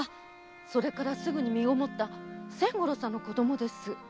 それからすぐに身ごもった千五郎さんの子供です。